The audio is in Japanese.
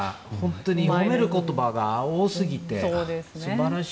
褒める言葉が多すぎて素晴らしい。